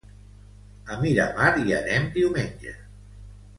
A Miramar hi anem diumenge.